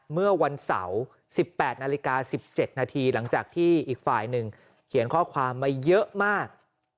เมื่อวันเสาร์๑๘นาฬิกา๑๗นาทีหลังจากที่อีกฝ่ายหนึ่งเขียนข้อความมาเยอะมาก